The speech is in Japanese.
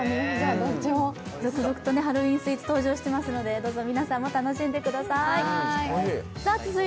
続々とハロウィーンスイーツ登場してますので、どうぞ皆さんも楽しんでください。